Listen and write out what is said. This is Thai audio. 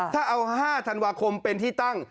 ถ้าเอา๕ธันวาคมเป็นที่ตั้ง